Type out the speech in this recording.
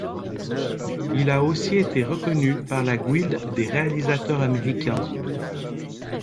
Il a aussi été reconnu par la guilde des réalisateurs américains.